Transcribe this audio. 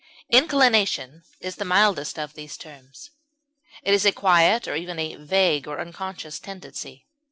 Inclination is the mildest of these terms; it is a quiet, or even a vague or unconscious, tendency.